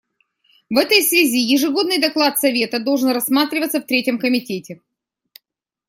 В этой связи ежегодный доклад Совета должен рассматриваться в Третьем комитете.